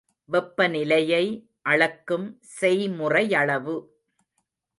வெப்பநிலையை அளக்கும் செய்முறையளவு.